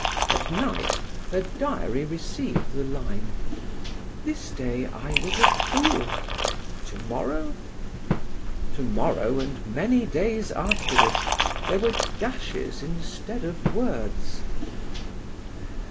At night her diary received the line: "This day I was a fool. To morrow?" To morrow and many days afterwards there were dashes instead of words.